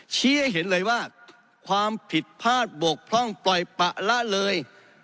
ชี้ให้เห็นเลยว่าความผิดพลาดบกพร่องปล่อยปะละเลย